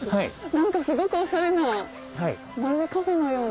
何かすごくオシャレなまるでカフェのように。